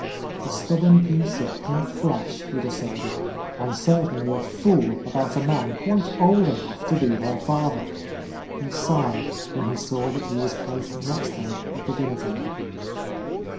A stubborn piece of pink flesh, he de cided, and certainly a fool about a man quite old " 47 — A Lost Lady enough to be her father. He sighed when he saw that he was placed next her at the dinner table.